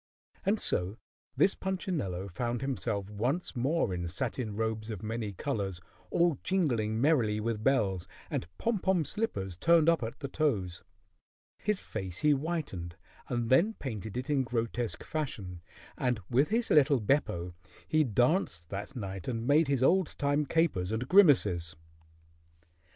And so this Punchinello found himself once more in satin robes of many colors, all jingling merrily with bells, and pom pom slippers turned up at the toes. His face he whitened and then painted it in grotesque fashion, and with his little Beppo he danced that night and made his old time capers and grimaces.